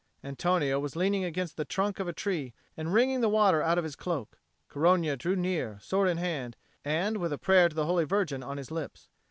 Antonio was leaning against the trunk of a tree and wringing the water out of his cloak. Corogna drew near, sword in hand, and with a prayer to the Holy Virgin on his lips.